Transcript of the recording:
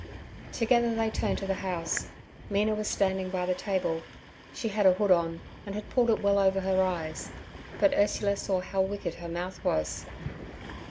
Together they turned to the house. Mina was standing by the table; she had a hood on, and had pulled it well over her eyes, but Ursula saw how wicked her mouth was.